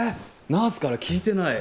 ナースから聞いてない？